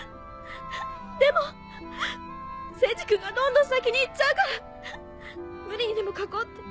でも聖司君がどんどん先に行っちゃうから無理にでも書こうって。